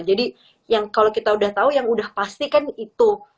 jadi kalau kita udah tahu yang udah pasti kan itu